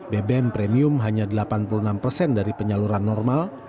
bbm premium hanya delapan puluh enam persen dari penyaluran normal